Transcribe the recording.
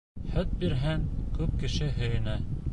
Һөт бирһәң, күп кеше һөйөнә.